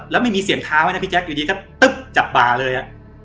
และไม่มีเสียงท้าไว้นะพี่แจ๊กเดี๋ยวดีจับบาเลย